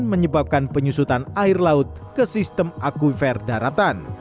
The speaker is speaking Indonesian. menyebabkan penyusutan air laut ke sistem akufer daratan